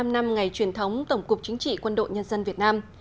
bảy mươi năm năm ngày truyền thống tổng cục chính trị quân đội nhân dân việt nam